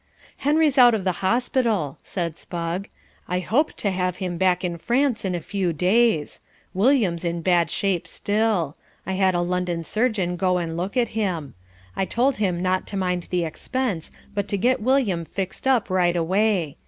"Henry's out of the hospital," said Spugg. "I hope to have him back in France in a few days. William's in bad shape still. I had a London surgeon go and look at him. I told him not to mind the expense but to get William fixed up right away.